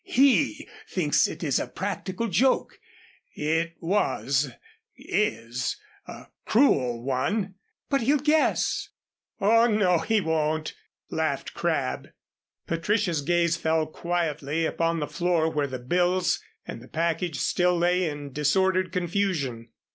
He thinks it is a practical joke. It was is a cruel one " "But he'll guess " "Oh, no, he won't," laughed Crabb. Patricia's gaze fell quietly upon the floor where the bills and the package still lay in disordered confusion.